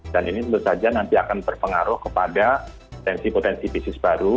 dan ini tentu saja nanti akan berpengaruh kepada potensi potensi bisnis baru